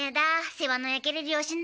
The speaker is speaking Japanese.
世話の焼ける両親だべ。